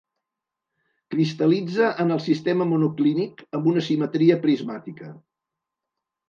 Cristal·litza en el sistema monoclínic amb una simetria prismàtica.